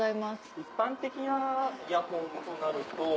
一般的なイヤホンとなると。